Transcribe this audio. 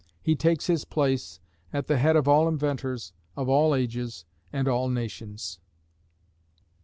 He takes his place "at the head of all inventors of all ages and all nations."